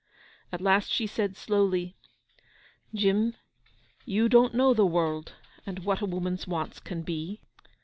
At last she said slowly, 'Jim, you don't know the world, and what a woman's wants can be.